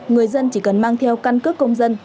người dân chỉ cần mang theo căn cước công dân